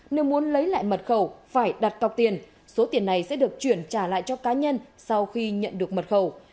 nếu muốn lấy lại mật khẩu phải đặt cọc tiền số tiền này sẽ được chuyển trả lại cho cá nhân sau khi nhận được mật khẩu